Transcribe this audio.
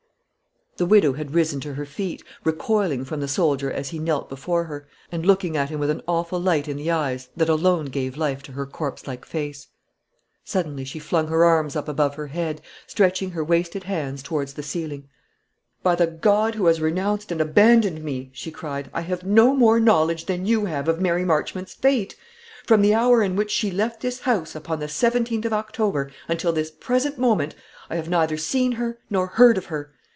The widow had risen to her feet, recoiling from the soldier as he knelt before her, and looking at him with an awful light in the eyes that alone gave life to her corpse like face. Suddenly she flung her arms up above her head, stretching her wasted hands towards the ceiling. "By the God who has renounced and abandoned me," she cried, "I have no more knowledge than you have of Mary Marchmont's fate. From the hour in which she left this house, upon the 17th of October, until this present moment, I have neither seen her nor heard of her.